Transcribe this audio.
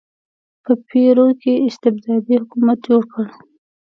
په پیرو کې استبدادي حکومت جوړ کړ.